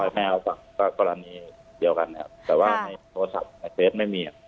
อ่าขอให้แม่เขาฟังก็กรณีเดียวกันครับแต่ว่าในโปรสับในเฟซไม่มีอ่ะ